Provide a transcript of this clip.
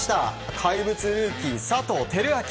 怪物ルーキー佐藤輝明。